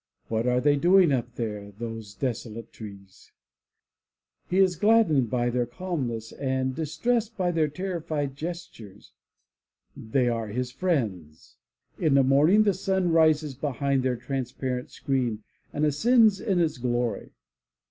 What are they doing up there, those desolate trees? He is 97 MY BOOK HOUSE gladdened by their calmness and distressed by their terrified ges tures. They are his friends. In the morning the sun rises behind their transparent screen and ascends in its glory.